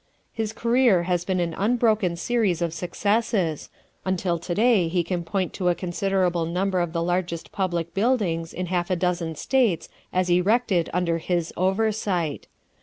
His career has been an unbroken series of successes, until to day he can point to a considerable number of the largest public buildings in half a dozen States as erected under his oversight.